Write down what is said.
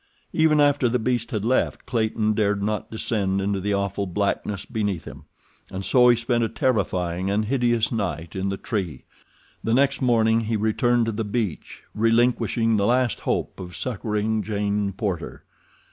Even after the beast had left, Clayton dared not descend into the awful blackness beneath him, and so he spent a terrifying and hideous night in the tree. The next morning he returned to the beach, relinquishing the last hope of succoring Jane Porter.